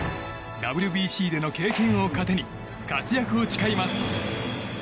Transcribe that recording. ＷＢＣでの経験を糧に活躍を誓います。